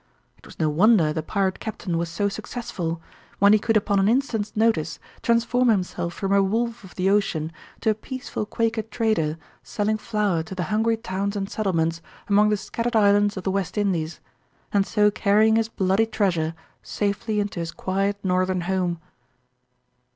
It was no wonder the pirate captain was so successful, when he could upon an instant's notice transform himself from a wolf of the ocean to a peaceful Quaker trader selling flour to the hungry towns and settlements among the scattered islands of the West Indies, and so carrying his bloody treasure safely into his quiet Northern home.